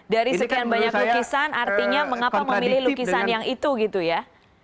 dari sekian banyak lukisan artinya mengapa memilih lukisan yang itu gitu ya